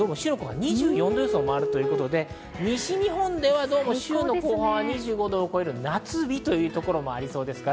２４度予想もあるということで、西日本では週の後半は２５度を超える夏日というところもありそうです。